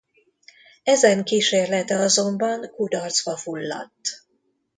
Ezen kísérlete azonban kudarcba fulladt.